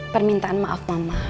permintaan maaf mama